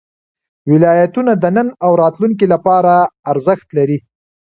ولایتونه د نن او راتلونکي لپاره ارزښت لري.